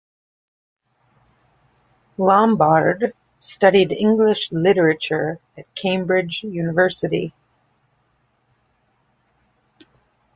Lombard studied English literature at Cambridge University.